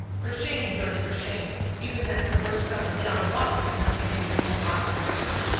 For shame, George, for shame! Even that perverse fellow, John Lawton, could not behave with more obstinacy."